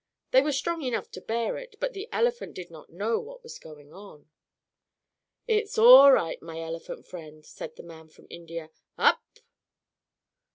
They were strong enough to bear it, but the elephant did not know what was going on. "It's all right, my elephant friend!" said the man from India. "Up!